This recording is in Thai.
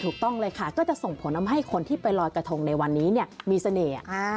ถูกต้องเลยค่ะก็จะส่งผลทำให้คนที่ไปลอยกระทงในวันนี้มีเสน่ห์